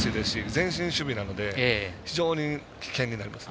前進守備なので非常に危険になります。